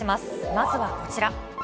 まずはこちら。